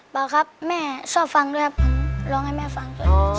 เปล่าครับแม่ชอบฟังด้วยครับร้องให้แม่ฟัง